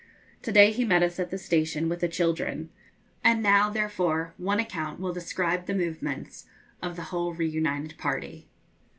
To day he met us at the station with the children; and now, therefore, one account will describe the movements of the whole reunited party.